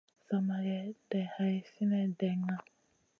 Zamagé day hay sinèh ɗenŋa.